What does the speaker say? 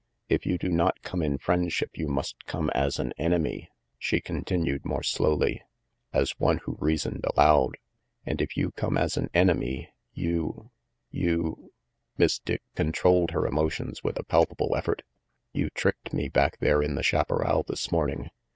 " If you do not come in friendship, you must come as an enemy," she continued more slowly, as one who reasoned aloud, "and if you come as an enemy, you you " Miss Dick con trolled her emotions with a palpable effort, "you tricked me back there in the chaparral this morning.